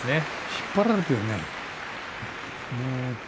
引っ張られているね。